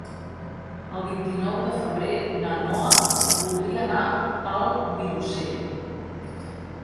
El vint-i-nou de febrer na Noa voldria anar al Vilosell.